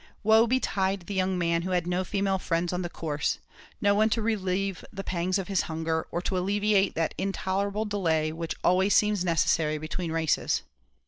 Woe betide the young man there who had no female friends on the course no one to relieve the pangs of his hunger, or to alleviate that intolerable delay which seems always necessary between races.